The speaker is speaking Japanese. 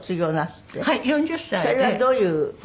それはどういう事で？